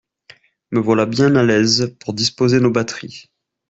Me voilà bien à l'aise pour disposer nos batteries.